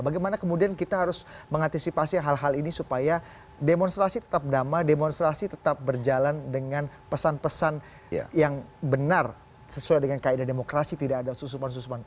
bagaimana kemudian kita harus mengantisipasi hal hal ini supaya demonstrasi tetap damai demonstrasi tetap berjalan dengan pesan pesan yang benar sesuai dengan kaedah demokrasi tidak ada susupan susuman